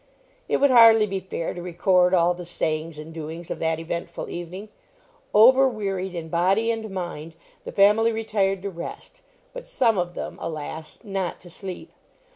It would hardly be fair to record all the sayings and doings of that eventful evening. Overwearied in body and mind, the family retired to rest, but some of them, alas! not to sleep.